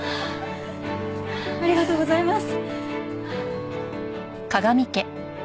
ありがとうございます。